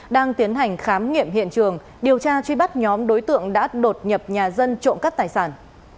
đang tiến hành khám nghiệm hiện trường điều tra truy bắt nhóm đối tượng đã đột nhập nhà dân trộm cắp tài sản